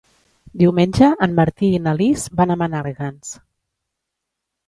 Diumenge en Martí i na Lis van a Menàrguens.